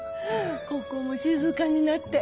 ここも静かになって。